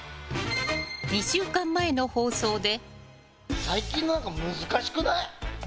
２週間前の放送で。